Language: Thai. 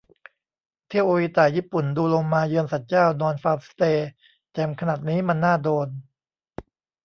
เที่ยวโออิตะ ญี่ปุ่น ดูโลมา เยือนศาลเจ้า นอนฟาร์มสเตย์ แจ่มขนาดนี้มันน่าโดน